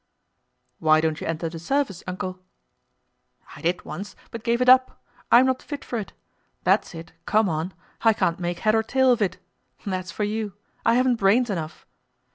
"Why don't you enter the service, Uncle?" "I did once, but gave it up. I am not fit for it. That's it, come on! I can't make head or tail of it. That's for you—I haven't brains enough.